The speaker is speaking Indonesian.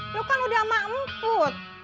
lu kan udah sama emput